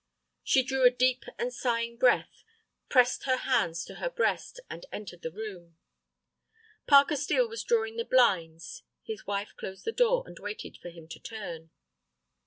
She drew a deep and sighing breath, pressed her hands to her breast, and entered the room. Parker Steel was drawing the blinds. His wife closed the door, and waited for him to turn.